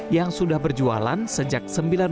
yang sudah berjualan sejak seribu sembilan ratus sembilan puluh